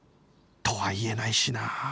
とは言えないしなあ